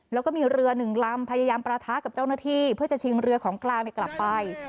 แล้วก็มีเรือหนึ่งลำพยายามประทะกับเจ้าหน้าที่เพื่อจะชิงเรือของกลางกลับไป